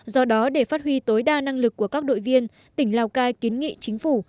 do đó để phát huy tối đa năng lực của các đội viên tỉnh lào cai kiến nghị chính phủ